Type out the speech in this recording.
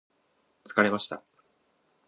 疲れました